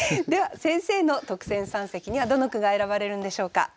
では先生の特選三席にはどの句が選ばれるんでしょうか。